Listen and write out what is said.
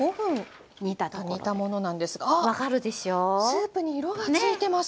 スープに色がついてます。